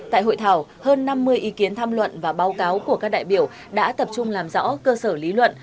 tại hội thảo hơn năm mươi ý kiến tham luận và báo cáo của các đại biểu đã tập trung làm rõ cơ sở lý luận